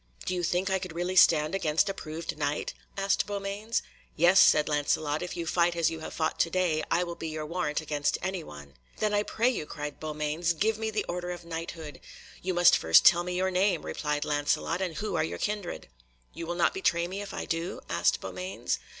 "Do you think I could really stand against a proved Knight?" asked Beaumains. "Yes," said Lancelot, "if you fight as you have fought to day I will be your warrant against any one." "Then I pray you," cried Beaumains, "give me the order of knighthood." "You must first tell me your name," replied Lancelot, "and who are your kindred." "You will not betray me if I do?" asked Beaumains.